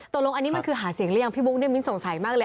ตกลงอันนี้มันคือหาเสียงหรือยังพี่บุ๊คเนี่ยมิ้นสงสัยมากเลย